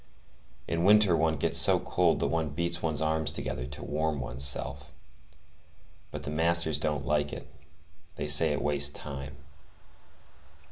In winter one gets so cold that one beats one's arms together to warm one's self; but the masters don't like it; they say it wastes time.